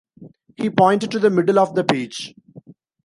He pointed to the middle of the page.